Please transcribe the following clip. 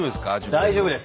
大丈夫です。